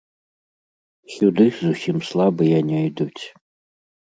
Сюды зусім слабыя не ідуць.